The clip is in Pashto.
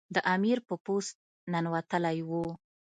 د امیر په پوست ننوتلی وو.